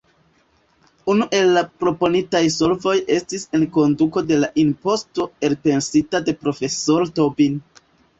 Unu el la proponitaj solvoj estis enkonduko de la imposto elpensita de profesoro Tobin.